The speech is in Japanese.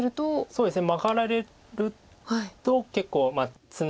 そうですねマガられると結構。